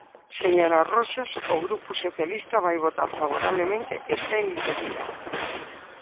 Señora Roxas, o Grupo Socialista vai votar favorablemente esta iniciativa.